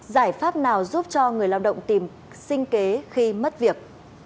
giải pháp nào giúp cho người lao động tìm sinh kế khi mất việc